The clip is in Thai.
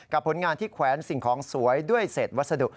ผลงานที่แขวนสิ่งของสวยด้วยเศษวัสดุ